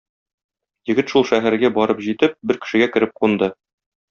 Егет, шул шәһәргә барып җитеп, бер кешегә кереп кунды.